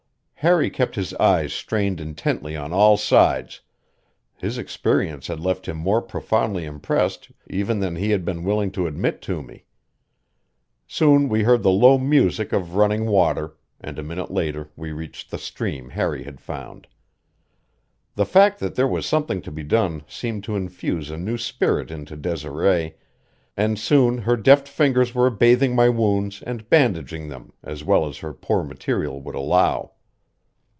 Harry kept his eyes strained intently on all sides; his experience had left him more profoundly impressed even than he had been willing to admit to me. Soon we heard the low music of running water, and a minute later we reached the stream Harry had found. The fact that there was something to be done seemed to infuse a new spirit into Desiree, and soon her deft fingers were bathing my wounds and bandaging them as well as her poor material would allow.